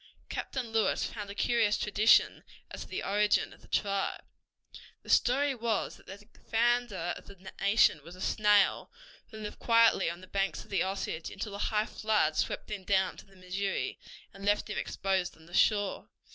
Captain Lewis found a curious tradition as to the origin of their tribe. The story was that the founder of the nation was a snail, who lived quietly on the banks of the Osage until a high flood swept him down to the Missouri, and left him exposed on the shore.